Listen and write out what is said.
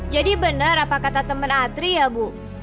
jadi benar apa kata temen adri ya bu